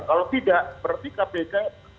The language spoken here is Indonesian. kalau tidak berarti kpk